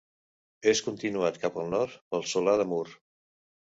És continuat cap al nord pel Solà de Mur.